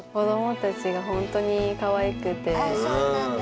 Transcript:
あそうなんだ。